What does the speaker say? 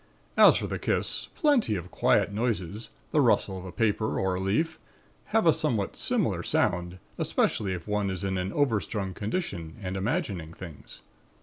And as for the kiss, plenty of quiet noises the rustle of a paper or a leaf have a somewhat similar sound, especially if one is in an overstrung condition and imagining things.